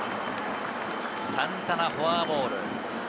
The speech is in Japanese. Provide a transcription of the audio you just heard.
サンタナ、フォアボール。